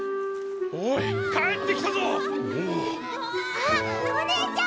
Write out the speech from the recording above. あっおねえちゃん！